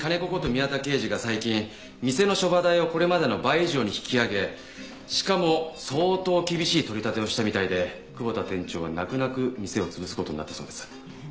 宮田刑事が最近店のショバ代をこれまでの倍以上に引き上げしかも相当厳しい取り立てをしたみたいで久保田店長は泣く泣く店を潰す事になったそうです。